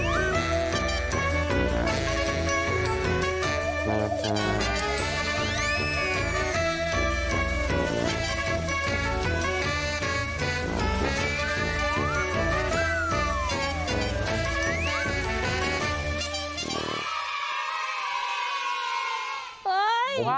ายหลักค่ายให้สวัสดิ์